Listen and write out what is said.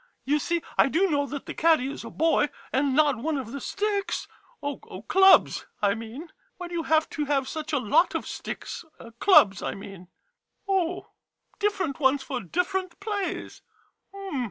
You see, I do know that the caddy is a boy, and not one of the sticks — oh, clubs, I mean. Why do you have to have such a lot of sticks — clubs, I mean ? Oh, different ones for different plays.